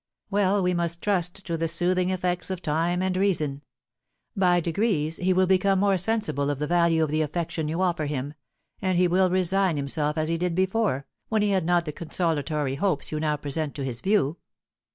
Well, we must trust to the soothing effects of time and reason. By degrees he will become more sensible of the value of the affection you offer him, and he will resign himself as he did before, when he had not the consolatory hopes you now present to his view."